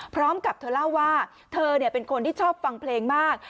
พร้อมกับเธอเล่าว่าเธอเป็นคนที่ชอบฟังเพลงมาก